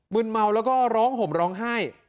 ืนเมาแล้วก็ร้องห่มร้องไห้